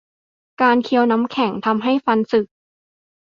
การเคี้ยวน้ำแข็ง ทำให้ฟันสึก